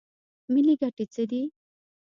ملي ګټې څه دي؟